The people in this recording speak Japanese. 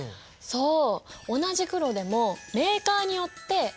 そう。